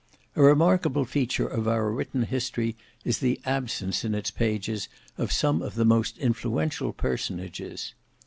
A remarkable feature of our written history is the absence in its pages of some of the most influential personages.